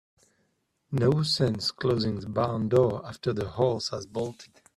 No sense closing the barn door after the horse has bolted.